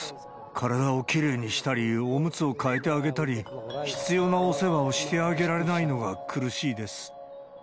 体をきれいにしたり、おむつを替えてあげたり、必要なお世話をしてあげられないのが苦しいです。